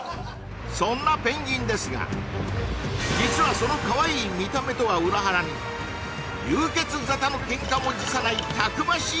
そんなペンギンですが実はそのかわいい見た目とは裏腹に流血沙汰のケンカも辞さないたくましい